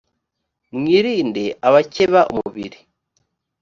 mwirinde abakeba umubiri